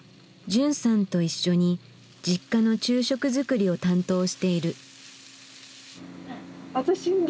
じゅんさんと一緒にＪｉｋｋａの昼食作りを担当している。